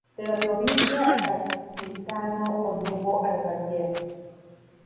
De la provincia Gaditano-Onubo-Algarviense.